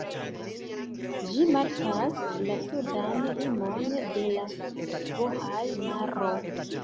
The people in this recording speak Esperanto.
Ĝi markas la sudan limon de la Bohaj-maro.